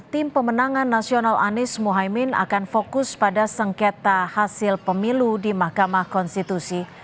tim pemenangan nasional anies mohaimin akan fokus pada sengketa hasil pemilu di mahkamah konstitusi